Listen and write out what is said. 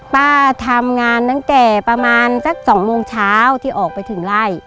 ป้าทำงานตั้งแต่ประมาณสัก๒โมงเช้าที่ออกไปถึงไล่